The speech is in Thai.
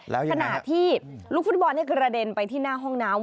ขณะที่ลูกฟุตบอลกระเด็นไปที่หน้าห้องน้ำ